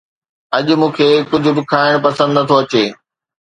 اڄ مون کي ڪجهه به کائڻ پسند نه ٿو اچي